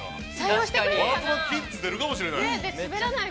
ワークマンキッズ、出るかもしれない。